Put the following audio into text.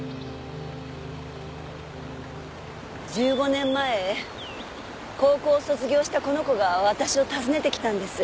１５年前高校を卒業したこの子が私を訪ねてきたんです。